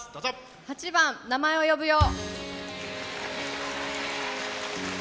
８番「名前を呼ぶよ」。